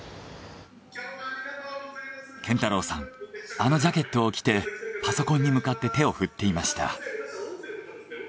健太郎さんあのジャケットを着てパソコンに向かって手を振っていました。